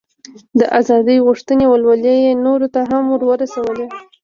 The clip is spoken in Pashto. د ازادۍ غوښتنې ولولې یې نورو ته هم ور ورسولې.